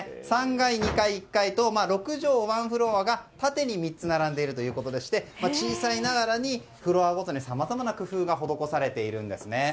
３階、２階、１階と６畳ワンフロアが縦に３つ並んでいるということでして小さいながらにフロアごとにさまざまな工夫が施されているんですね。